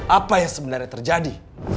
apa yang sebenarnya terjadi